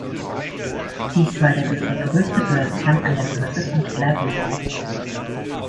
Dies war der bisher größte Börsengang an der Börse von Tel Aviv.